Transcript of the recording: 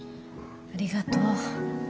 ありがとう。